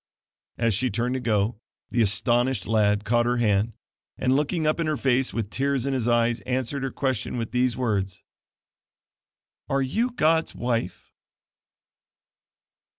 As she turned to go, the astonished lad caught her hand, and looking up in her face, with tears in his eyes answered her question with these words: "Are you God's wife?"